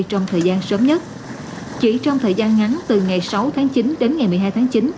trong thời gian sớm nhất chỉ trong thời gian ngắn từ ngày sáu tháng chín đến ngày một mươi hai tháng chín